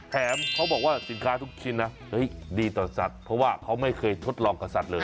เขาบอกว่าสินค้าทุกชิ้นนะดีต่อสัตว์เพราะว่าเขาไม่เคยทดลองกับสัตว์เลย